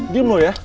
diam lu ya